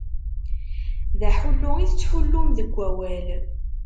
D aḥullu i tettḥullum deg wawal.